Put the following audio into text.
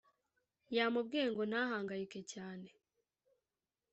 yamubwiye ngo ntahangayike cyane